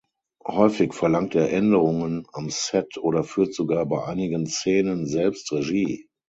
Häufig verlangt er Änderungen am Set oder führt sogar bei einigen Szenen selbst Regie.